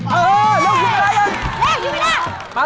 เออเริ่ม๑๐วินาที